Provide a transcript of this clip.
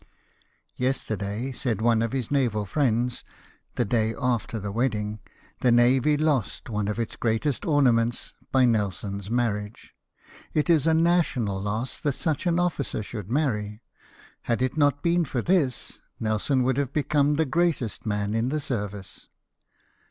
" Yesterday," said one of his naval friends, the day after the wedding, " the navy lost one of its greatest ornaments by Nelson's marriage. It is a national loss that such an officer should marry : had it not been for this, Nelson would have become the greatest man in the service."